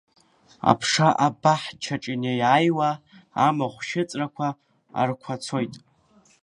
Аԥша абаҳчаҿ инеиааиуа, амахә шьыҵәрақәа арқәацоит.